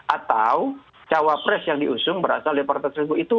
atau cawapres yang diusung berasal dari partai tersebut itu